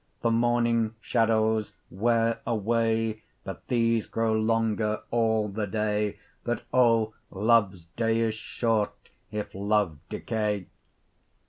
The morning shadowes weare away, But these grow longer all the day, But oh, loves day is short, if love decay.